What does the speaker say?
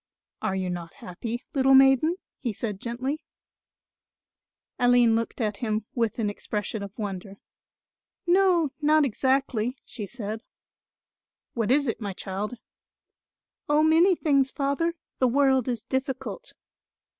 "Are you not happy, little maiden?" he said gently. For of such is the kingdom of God. Aline looked at him with an expression of wonder; "No, not exactly," she said. "What is it, my child?" "Oh, many things, Father; the world is difficult."